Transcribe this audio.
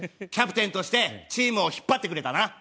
キャプテンとしてチームを引っ張ってくれたな。